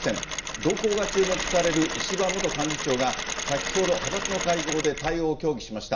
動向が注目される石破元幹事長が、先ほど、派閥の会合で対応を協議しました。